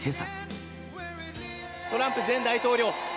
トランプ前大統領